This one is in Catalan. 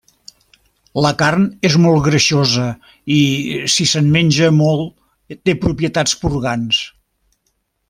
La carn és molt greixosa i, si se'n menja molt, té propietats purgants.